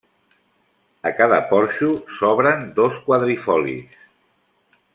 A cada porxo s'obren dos quadrifolis.